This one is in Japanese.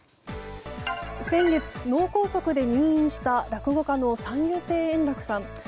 先月、脳梗塞で入院した落語家の三遊亭円楽さん。